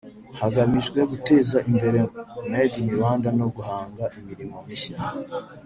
hagamijwe guteza imbere Made in Rwanda no guhanga imirimo mishya